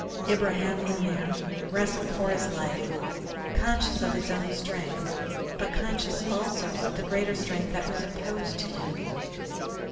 Ibraheim Omair wrestled for his life, conscious of his own strength, but conscious also of the greater strength that was opposed to him.